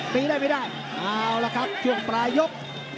ตีได้ไม่ได้เอาละครับช่วงปลายยก